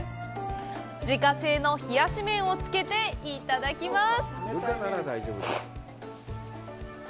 自家製の冷やし麺をつけていただきます！